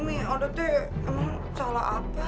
mami alda teh emang salah apa